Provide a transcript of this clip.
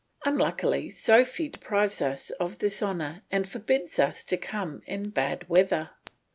Unluckily Sophy deprives us of this honour and forbids us to come in bad weather.